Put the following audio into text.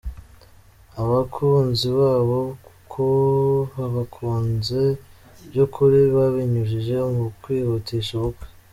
abakunzi babo ko babakunze by’ukuri babinyujije mu kwihutisha ubukwe.